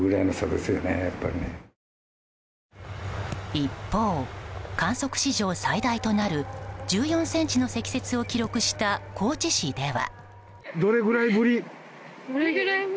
一方、観測史上最大となる１４ｃｍの積雪を記録した高知市では。